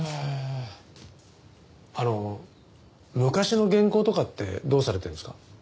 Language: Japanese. あの昔の原稿とかってどうされてるんですか？